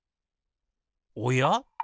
おや？